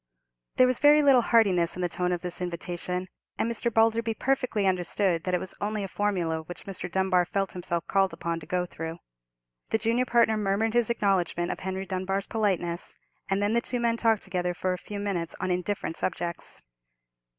There was very little heartiness in the tone of this invitation; and Mr. Balderby perfectly understood that it was only a formula which Mr. Dunbar felt himself called upon to go through. The junior partner murmured his acknowledgment of Henry Dunbar's politeness; and then the two men talked together for a few minutes on indifferent subjects.